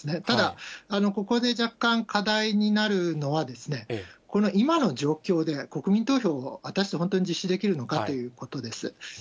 ただ、ここで若干課題になるのは、この今の状況で国民投票を果たして本当に実施できるのかということです。